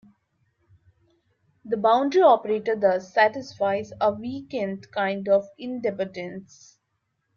The boundary operator thus satisfies a weakened kind of idempotence.